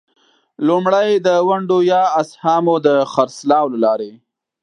لومړی: د ونډو یا اسهامو د خرڅلاو له لارې.